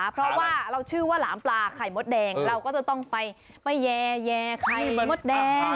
เพราะว่าเราชื่อว่าหลามปลาไข่มดแดงเราก็จะต้องไปแย่ไข่มดแดง